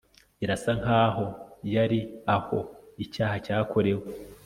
birasa nkaho yari aho icyaha cyakorewe